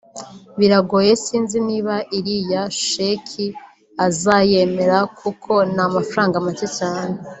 Biragoye sinzi niba iriya sheki azayemera kuko ni amafaranga make cyane